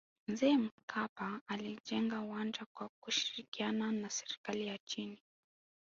mzee mkapa alijenga uwanja kwa kushirikiana na serikali ya china